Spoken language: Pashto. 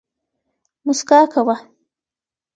موسکا کوه